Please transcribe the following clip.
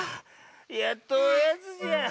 やっとおやつじゃ。